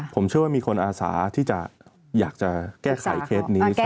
ผมเชื่อว่ามีคนอาสาที่จะอยากจะแก้ไขเคสนี้